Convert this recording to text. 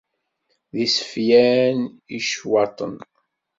D iseflan i ccwaṭen.